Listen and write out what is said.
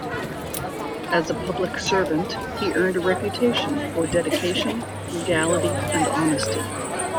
As a public servant, he earned a reputation for dedication, frugality, and honesty.